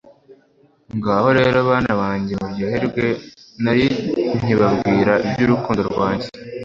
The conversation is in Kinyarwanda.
ngaho rero bana banjye muryoherwe! narinkibabwira ibyurukundo rwanjye